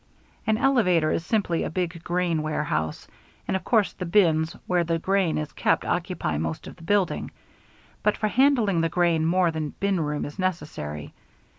An elevator is simply a big grain warehouse, and of course the bins where the grain is kept occupy most of the building. But for handling the grain more than bin room is necessary.